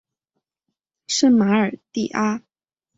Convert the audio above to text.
圣马尔蒂阿。